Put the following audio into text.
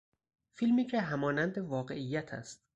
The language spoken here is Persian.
فیلمی که همانند واقعیت است.